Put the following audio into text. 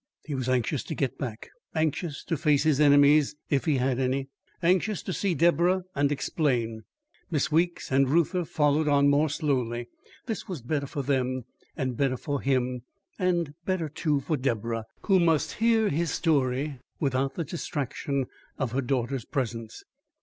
He was anxious to get back; anxious to face his enemies if he had any; anxious to see Deborah and explain. Miss Weeks and Reuther followed on more slowly; this was better for them and better for him, and better, too, for Deborah, who must hear his story without the distraction of her daughter's presence.